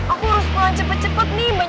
aku harus pulang cepet cepet nih